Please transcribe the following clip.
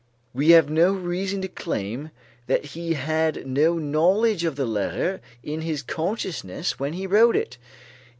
We have no reason to claim that he had no knowledge of the letter in his consciousness when he wrote it.